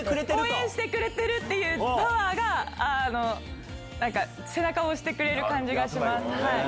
応援してくれてるってパワーが、なんか背中を押してくれる感じがします。